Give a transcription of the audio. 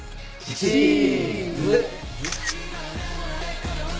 チーズ！